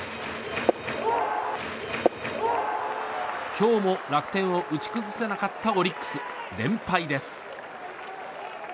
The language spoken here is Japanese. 今日も楽天を打ち崩せなかったオリックス、連敗です。